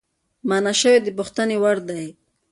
مانا شوی د پوښتنې وړدی،